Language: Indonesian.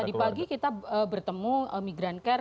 tadi pagi kita bertemu migrancare